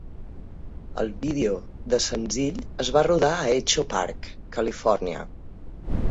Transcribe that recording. El vídeo del senzill es va rodar a Echo Park, Califòrnia.